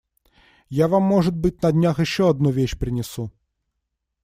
Я вам может быть, на днях, еще одну вещь принесу.